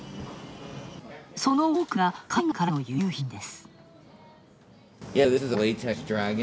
その多くが海外からの輸入品です。